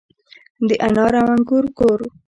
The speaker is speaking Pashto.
د انار او انګور کور.